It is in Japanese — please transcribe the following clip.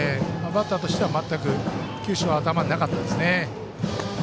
バッターとしては、全く球種が頭になかったですね。